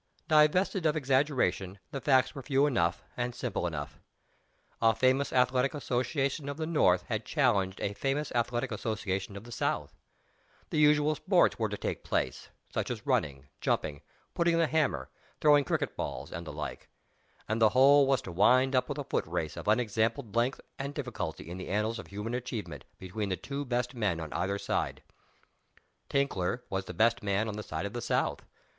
Divested of exaggeration, the facts were few enough and simple enough. A famous Athletic Association of the North had challenged a famous Athletic Association of the South. The usual "Sports" were to take place such as running, jumping, "putting" the hammer, throwing cricket balls, and the like and the whole was to wind up with a Foot Race of unexampled length and difficulty in the annals of human achievement between the two best men on either side. "Tinkler" was the best man on the side of the South.